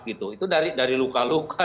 itu dari luka luka